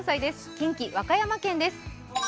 近畿・和歌山県です。